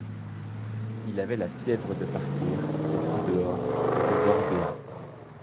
Il avait la fièvre de partir, d’être dehors, de revoir Dea.